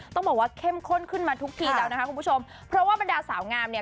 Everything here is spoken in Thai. ต้องบอกว่าเข้มข้นขึ้นมาทุกทีแล้วนะคะคุณผู้ชมเพราะว่าบรรดาสาวงามเนี่ย